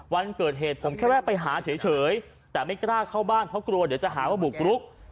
วันเกิดเหตุผมแค่แวะไปหาเฉยแต่ไม่กล้าเข้าบ้านเพราะกลัวเดี๋ยวจะหาว่าบุกรุก